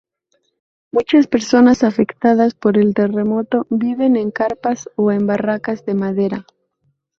Muchas personas afectadas por el terremoto viven en carpas o en barracas de madera.